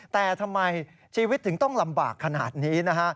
แต่ทำไมชีวิตถึงต้องลำบากขนาดนี้นะฮะ